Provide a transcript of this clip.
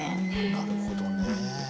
なるほどねえ。